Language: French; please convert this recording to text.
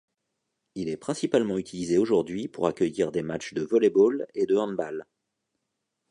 Il est principalement utilisé aujourd'hui pour accueillir des matches de volleyball et de handball.